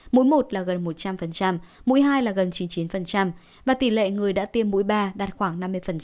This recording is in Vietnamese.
mũi một là gần một trăm linh mũi hai là gần chín mươi chín và tỷ lệ người đã tiêm mũi ba đạt khoảng năm mươi